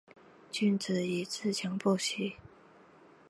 君子以自强不息